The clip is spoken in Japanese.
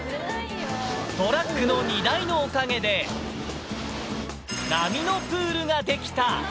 トラックの荷台のおかげで、波のプールができた。